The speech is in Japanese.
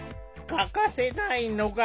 欠かせないのが。